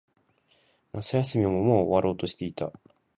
夏休みももう終わろうとしていた。